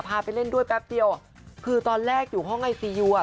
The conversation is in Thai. ไปเล่นด้วยแป๊บเดียวคือตอนแรกอยู่ห้องไอซียูอ่ะ